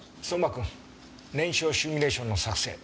君燃焼シミュレーションの作成頼むよ。